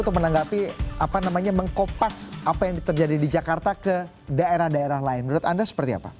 tapi usaha jadwal berikut ini